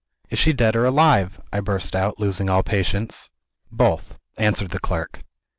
"Is she dead or alive?" I burst out, losing all patience. "Both," answered the clerk.